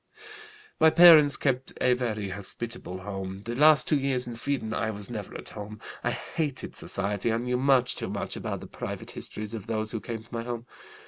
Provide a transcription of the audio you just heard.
"My parents kept a very hospitable home. The last two years in Sweden I was never at home. I hated society and knew much too much about the private histories of those who came to my home.